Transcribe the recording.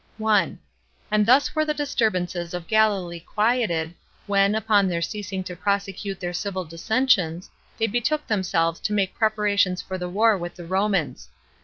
1. And thus were the disturbances of Galilee quieted, when, upon their ceasing to prosecute their civil dissensions, they betook themselves to make preparations for the war with the Romans.